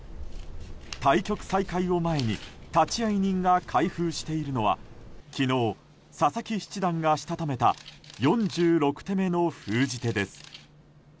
対局再開を前に立会人が開封しているのは昨日、佐々木七段がしたためた４６手目の封じ手です。